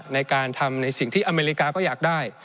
ในการทำในสิ่งที่อเมริกาก็อยากได้